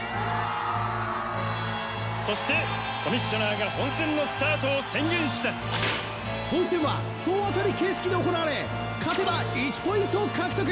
そしてコミッショナーが本戦のスタートを宣言した本戦は総当たり形式で行われ勝てば１ポイント獲得。